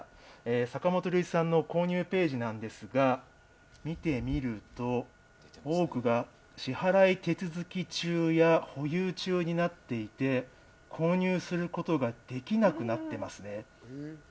坂本龍一さんの購入ページなんですが、見てみると、多くが支払い手続き中や保有中になっていて購入することができなくなっていますね。